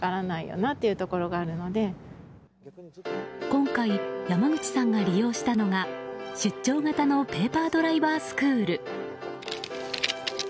今回山口さんが利用したのが出張型のペーパードライバースクール。